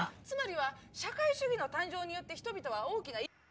つまりは社会主義の誕生によって人々は大きな。